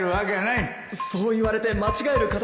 そう言われて間違える方が多いので